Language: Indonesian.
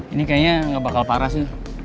ini kayaknya nggak bakal parah sih